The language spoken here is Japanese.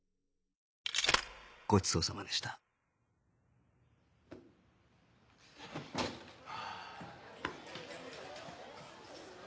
ごちそうさまでしたはあ。